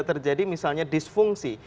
terjadi misalnya disfungsi